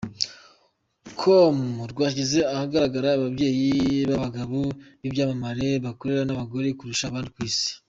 com rwashyize ahagaragara ababyeyi b’abagabo b’ibyamamare bakurura abagore kurusha abandi ku isi.